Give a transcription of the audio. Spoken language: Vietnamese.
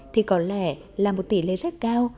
thì có lẽ là một tỷ lệ rất cao